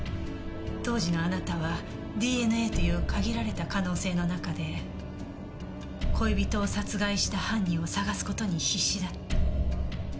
当時のあなたはＤＮＡという限られた可能性の中で恋人を殺害した犯人を捜す事に必死だった。